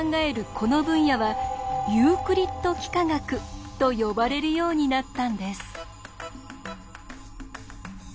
この分野は「ユークリッド幾何学」と呼ばれるようになったんです。